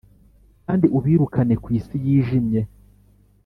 kandi ubirukane ku isi yijimye!